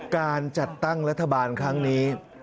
การจัดตั้งรัฐบาลครั้งนี้